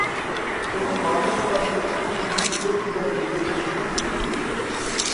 ئۇنىڭ ماتەم مۇراسىمىدىكى سۈرىتى كۆپ يىللار ئىلگىرىكى خىزمەت سۈرىتى ئىكەن.